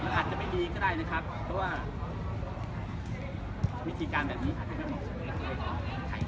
มันจะไม่ดีก็ได้นะครับคือว่าวิธีการแบบนี้คือคนใหม่